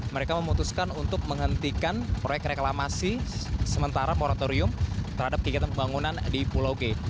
mereka memutuskan untuk menghentikan proyek reklamasi sementara moratorium terhadap kegiatan pembangunan di pulau g